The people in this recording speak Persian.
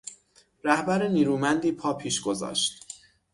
رهبر نیرومندی پا پیش گذاشت.